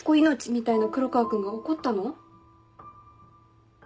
みたいな黒川君が怒ったの？